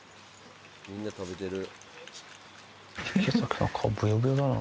みんな食べてる。